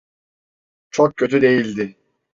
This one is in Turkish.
Çok kötü değildi.